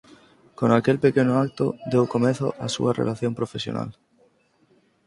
Con aquel pequeno acto deu comezo a súa relación profesional